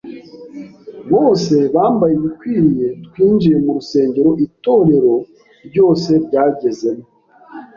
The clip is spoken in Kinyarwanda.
bose bambaye ibikwiriye, twinjiye mu rusengero itorero ryose ryagezemo,